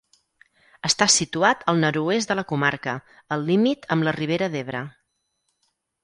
Està situat al nord-oest de la comarca, al límit amb la Ribera d'Ebre.